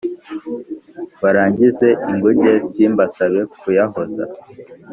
Barangize ingunge Simbasabe kuyahoza